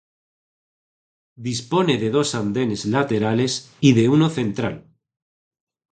Dispone de dos andenes laterales y de uno central.